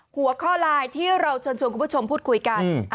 หัวข้อไลน์ที่เราเชิญชวนคุณผู้ชมพูดคุยกัน